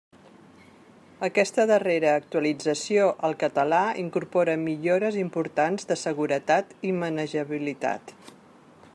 Aquesta darrera actualització al català incorpora millores importants de seguretat i manejabilitat.